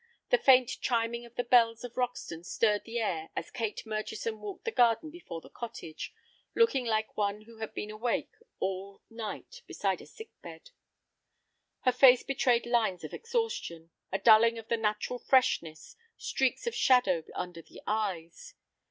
The faint chiming of the bells of Roxton stirred the air as Kate Murchison walked the garden before the cottage, looking like one who had been awake all night beside a sick bed. Her face betrayed lines of exhaustion, a dulling of the natural freshness, streaks of shadow under the eyes.